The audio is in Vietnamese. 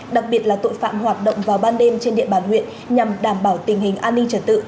đặc biệt là tội phạm hoạt động vào ban đêm trên địa bàn huyện nhằm đảm bảo tình hình an ninh trật tự